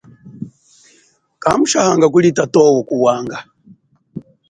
Kamushahanga kuli tatowo ku wanga.